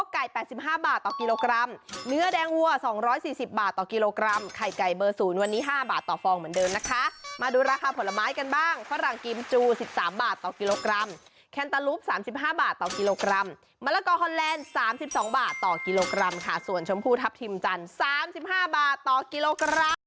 มีความรู้สึกว่ามีความรู้สึกว่ามีความรู้สึกว่ามีความรู้สึกว่ามีความรู้สึกว่ามีความรู้สึกว่ามีความรู้สึกว่ามีความรู้สึกว่ามีความรู้สึกว่ามีความรู้สึกว่ามีความรู้สึกว่ามีความรู้สึกว่ามีความรู้สึกว่ามีความรู้สึกว่ามีความรู้สึกว่ามีความรู้สึกว